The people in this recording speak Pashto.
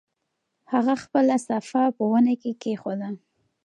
هغه خپله صافه په ونه کې کېښوده.